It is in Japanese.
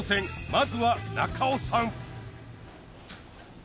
まずは中尾さん